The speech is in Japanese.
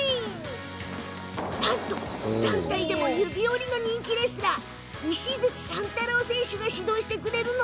団体でも指折りの人気レスラー石鎚山太郎選手が指導してくれるの。